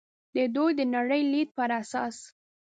د دوی د نړۍ لید پر اساس.